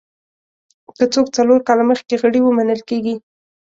که څوک څلور کاله مخکې غړي وو منل کېږي.